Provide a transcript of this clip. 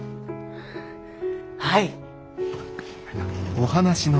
はい！